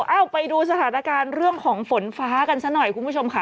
เอ้าไปดูสถานการณ์เรื่องของฝนฟ้ากันซะหน่อยคุณผู้ชมค่ะ